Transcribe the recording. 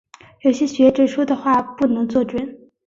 有些学者说的话不能做准。